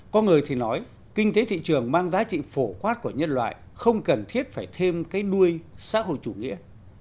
có người thì nói kinh tế thị trường mang giá trị phổ quát của nhân loại không cần thiết phải thêm cái đuôi xã hội chủ nghĩa